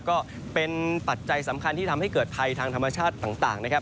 ก็เป็นปัจจัยสำคัญที่ทำให้เกิดภัยทางธรรมชาติต่างนะครับ